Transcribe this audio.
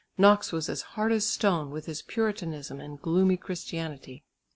Knox was as hard as stone with his Puritanism and gloomy Christianity.